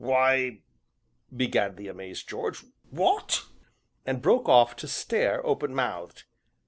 "Why " began the amazed George, "what " and broke off to stare, open mouthed.